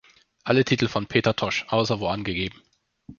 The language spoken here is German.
Alle Titel von Peter Tosh, außer wo angegeben.